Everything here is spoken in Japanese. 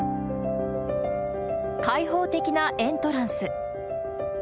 開放的なエントランス。